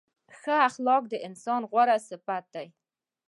ښه اخلاق د انسان غوره صفت دی.